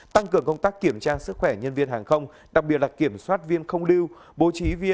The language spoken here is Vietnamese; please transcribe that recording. tăng cường công tác kiểm tra sức khỏe nhân viên hàng không đặc biệt là kiểm soát viên không lưu